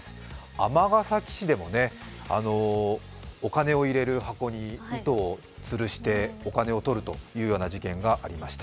尼崎市でもお金を入れる箱に糸をつるしてお金を取るという事件がありました。